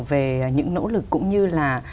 về những nỗ lực cũng như là